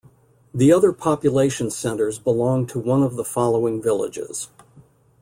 The other population centres belong to one of the following villages.